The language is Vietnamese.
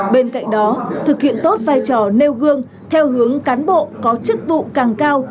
bên cạnh đó thực hiện tốt vai trò nêu gương theo hướng cán bộ có chức vụ càng cao